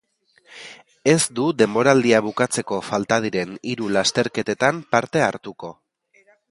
Ez du denboraldia bukatzeko falta diren hiru lasterketetan parte hartuko.